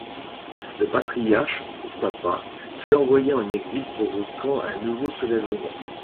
Le patriarche, pour sa part, fut envoyé en exil provoquant un nouveau soulèvement.